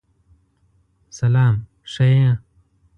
سلام شه یی!